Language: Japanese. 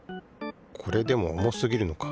これでも重すぎるのか。